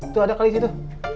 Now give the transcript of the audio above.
tuh ada kali di situ